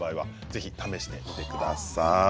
ぜひ試してみてください。